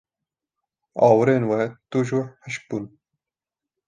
Awirên wê tûj û hişk bûn.